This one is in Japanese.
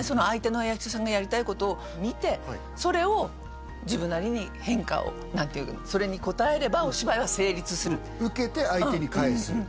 相手の役者さんがやりたいことを見てそれを自分なりに変化を何て言うそれに応えればお芝居は成立する受けて相手に返す